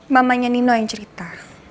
mamanya nino yang cerita